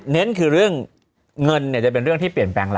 เน้นคือเรื่องเงินจะเป็นเรื่องที่เปลี่ยนแปลงแล้ว